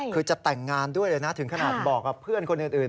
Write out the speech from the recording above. คือจะแต่งงานด้วยเลยนะถึงขนาดบอกกับเพื่อนคนอื่น